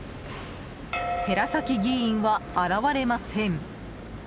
寺崎議員は現れません。